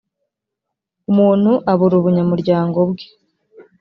umuntu abura ubunyamuryango bwe